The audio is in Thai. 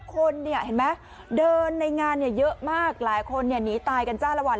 คนเดินในงานเยอะมากหลายคนหนีตายกันจ้าละหวัน